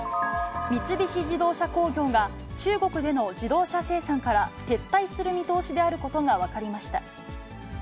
三菱自動車工業が、中国での自動車生産から撤退する見通しであることが分かりました。